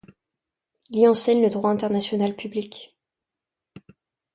Il y enseigne le droit international public.